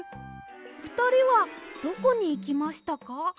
ふたりはどこにいきましたか？